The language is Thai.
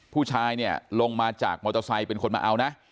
ผู้ชายเนี่ยลงมาจากมอเตอร์ไซค์เป็นคนมาเอานะ